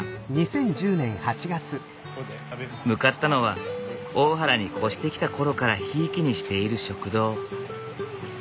向かったのは大原に越してきた頃からひいきにしている食堂。